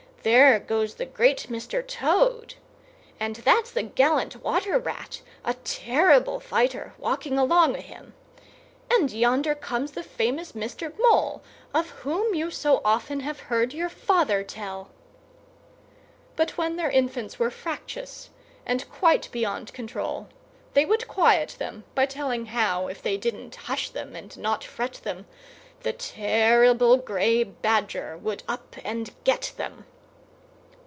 There goes the great Mr. Toad! And that's the gallant Water Rat, a terrible fighter, walking along o' him! And yonder comes the famous Mr. Mole, of whom you so often have heard your father tell!" But when their infants were fractious and quite beyond control, they would quiet them by telling how, if they didn't hush them and not fret them, the terrible grey Badger would up and get them.